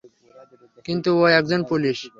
কিন্তু ও একজন পুলিশ।